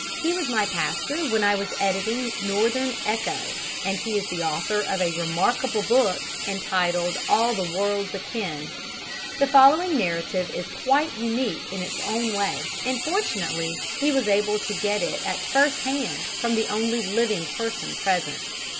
He was my pastor when I was editing the Northern Echo, and he is the author of a remarkable book, entitled All the World's Akin. The following narrative is quite unique in its way, and fortunately he was able to get it at first hand from the only living person present.